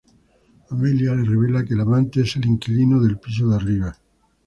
Amelia le revela que el amante es el inquilino del piso de arriba.